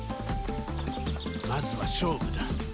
まずは勝負だ。